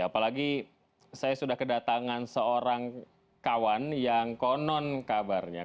apalagi saya sudah kedatangan seorang kawan yang konon kabarnya